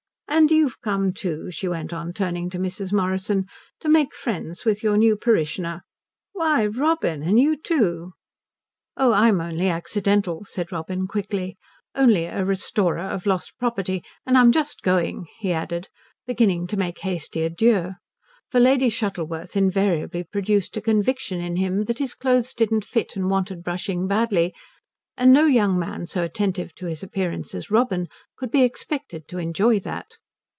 And you've come too," she went on, turning to Mrs. Morrison, "to make friends with your new parishioner? Why, Robin, and you too?" "Oh, I'm only accidental," said Robin quickly. "Only a restorer of lost property. And I'm just going," he added, beginning to make hasty adieux; for Lady Shuttleworth invariably produced a conviction in him that his clothes didn't fit and wanted brushing badly, and no young man so attentive to his appearance as Robin could be expected to enjoy that.